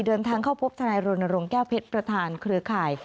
เดินทางเข้าพบทนายรณรงค์แก้วเพชรประธานเครือข่าย